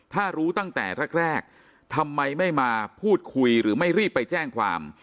ถ้ารู้ตั้งแต่แรกทำไมไม่มาพูดคุยหรือไม่รีบไปแจ้งความ